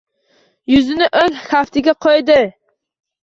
Yuzini o‘ng kaftiga qo‘ydi.